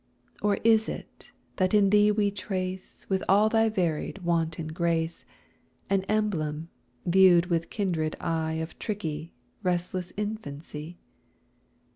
Or is it that in thee we trace, With all thy varied wanton grace, An emblem, viewed with kindred eye Of tricky, restless infancy?